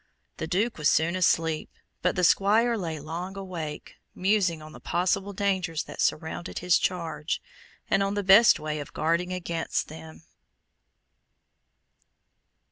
The Duke was soon asleep; but the Squire lay long awake, musing on the possible dangers that surrounded his charge, and on the best way of guarding against them.